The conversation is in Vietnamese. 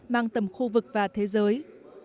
mang tầm khu vực và thế giới